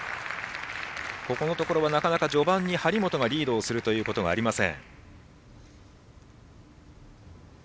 ここのところは、なかなか序盤に張本がリードするということがありません。